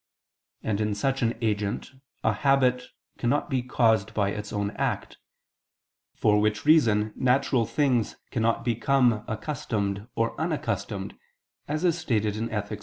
And in such an agent a habit cannot be caused by its own act: for which reason natural things cannot become accustomed or unaccustomed, as is stated in _Ethic.